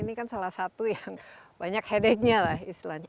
ini kan salah satu yang banyak headach nya lah istilahnya